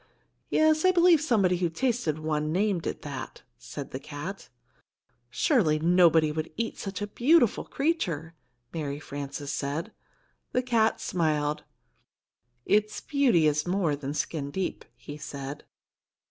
"Yes, I believe somebody who tasted one named it that," said the cat. "Surely nobody would eat such a beautiful creature," Mary Frances said. The cat smiled. "Its beauty is more than skin deep," he said.